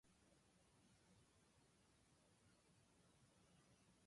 私は宇宙人ですが、あなたは地球人です。